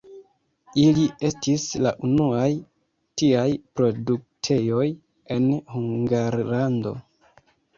Ili estis la unuaj tiaj produktejoj en Hungarlando.